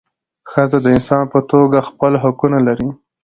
ښځه د انسان په توګه خپل حقونه لري.